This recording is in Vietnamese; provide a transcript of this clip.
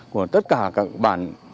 của tất cả các bản